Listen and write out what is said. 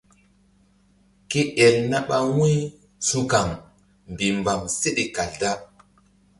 Ke el na ɓa wu̧y su̧kaŋ mbihmbam seɗe kal da.